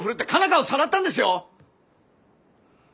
花をさらったんですよ！